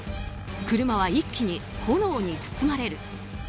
車は一気に炎に包まれる。